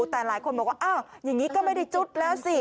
แต่หลายคนบอกว่าอ้าวอย่างนี้ก็ไม่ได้จุดแล้วสิ